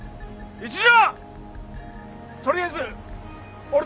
一条！